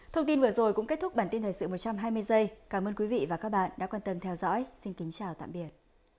thông tin vừa rồi cũng kết thúc bản tin thời sự một trăm hai mươi giây cảm ơn quý vị và các bạn đã quan tâm theo dõi xin kính chào tạm biệt